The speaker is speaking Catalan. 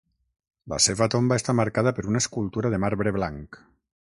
La seva tomba està marcada per una escultura de marbre blanc.